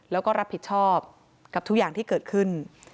แล้วก็รับผิดชอบกับทุกอย่างที่เกิดขึ้น